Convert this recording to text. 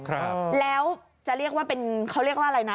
ครับแล้วจะเรียกว่าเป็นเขาเรียกว่าอะไรนะ